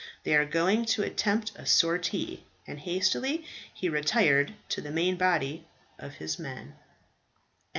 "They are going to attempt a sortie." And hastily he retired to the main body of his men.